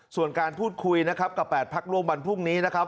ส่วนการพูดคุยนะครับกับ๘พักร่วมวันพรุ่งนี้นะครับ